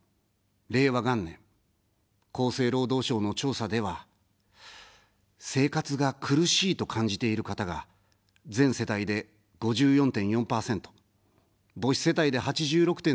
令和元年、厚生労働省の調査では生活が苦しいと感じている方が、全世帯で５４．４％、母子世帯で８６．７％。